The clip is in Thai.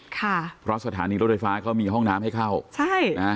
ค่ะเพราะสถานีรถไฟฟ้าเขามีห้องน้ำให้เข้าใช่นะฮะ